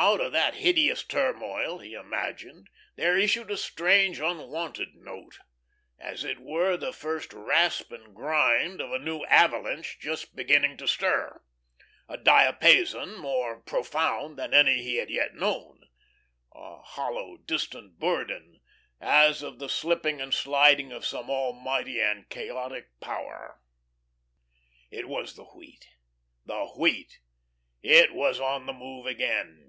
Out of that hideous turmoil, he imagined, there issued a strange unwonted note; as it were, the first rasp and grind of a new avalanche just beginning to stir, a diapason more profound than any he had yet known, a hollow distant bourdon as of the slipping and sliding of some almighty and chaotic power. It was the Wheat, the Wheat! It was on the move again.